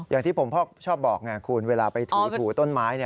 อย่างที่ผมชอบบอกไงคุณเวลาไปถูต้นไม้